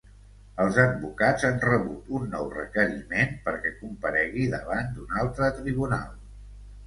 Els advocats han rebut un nou requeriment perquè comparegui davant d’un altre tribunal.